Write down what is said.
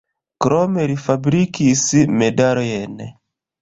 Krome li fabrikis medalojn.